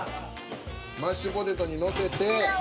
マッシュポテトに載せて。